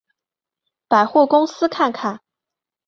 百货公司看看